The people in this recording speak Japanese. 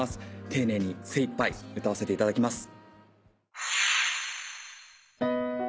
丁寧に精いっぱい歌わせていただきます。